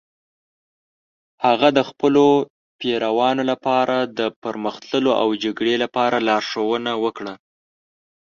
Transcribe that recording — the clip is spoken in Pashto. هغه د خپلو پیروانو لپاره د پرمخ تللو او جګړې لپاره لارښوونه وکړه.